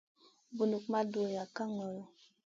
Bunuk ma dura ka ŋolo.